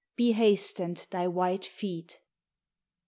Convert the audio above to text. Be hastened thy white feet